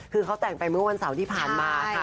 คือเขาแต่งไปเมื่อวันเสาร์ที่ผ่านมาค่ะ